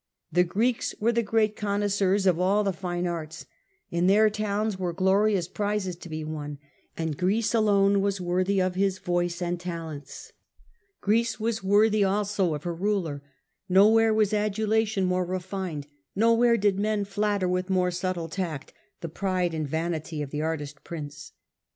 The Greeks were the great connoisseurs of all the fine arts ; in their towns were glorious prizes to be won, and Greece alone was worthy of his voice and talents. Greece was worthy also of her ruler ; nowhere was adulation more refined, nowhere did men flatter with more subtle tact the pride and vanity of the artist prince.